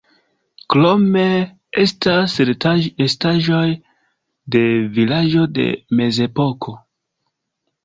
Krome, estas restaĵoj de vilaĝo de Mezepoko.